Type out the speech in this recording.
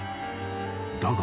［だが］